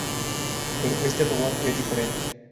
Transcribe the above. Pero este robot es diferente.